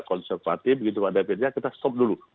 konservatif begitu ada pilihan kita stop dulu